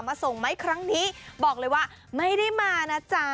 ส่งไม้ครั้งนี้บอกเลยว่าไม่ได้มานะจ๊ะ